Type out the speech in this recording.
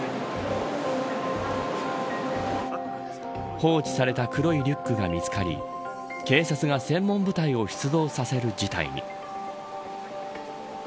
放置された黒いリュックが見つかり警察が専門部隊を出動させる事態に。